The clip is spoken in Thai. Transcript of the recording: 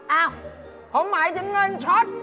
อ้าวผมหมายถึงเงินช็อต